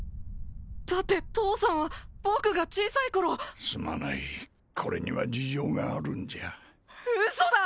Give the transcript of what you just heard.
だって父さんは僕が小さい頃すまないこれには事情があるんじゃウソだ！